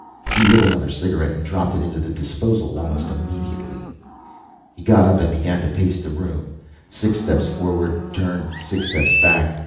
He lit another cigarette and dropped it into the disposal almost immediately. He got up and began to pace the room. Six steps forward. Turn. Six steps back.